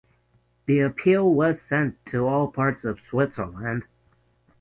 The appeal was sent to all parts of Switzerland.